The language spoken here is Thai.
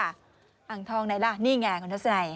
อ่างทองไหนล่ะนี่ไงคุณทัศนัย